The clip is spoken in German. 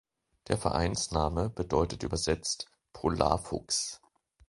Der Vereinsname bedeutet übersetzt „Polarfuchs“.